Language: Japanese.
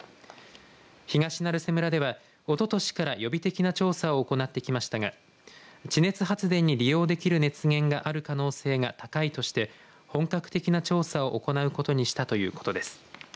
東成瀬村では、おととしから予備的な調査を行ってきましたが地熱発電に利用できる熱源がある可能性が高いとして本格的な調査を行うことにしたということです。